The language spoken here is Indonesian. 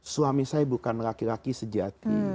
suami saya bukan laki laki sejati